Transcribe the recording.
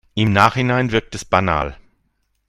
Im Nachhinein wirkt es banal.